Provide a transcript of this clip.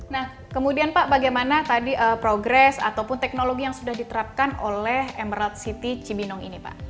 nah kemudian pak bagaimana tadi progres ataupun teknologi yang sudah diterapkan oleh emerald city cibinong ini pak